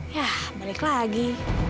yah balik lagi